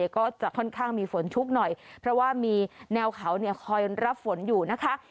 ก็จะค่อนข้างมีฝนชุกหน่อยเพราะว่ามีแนวเขาคอยรับฝนอยู่นะคะ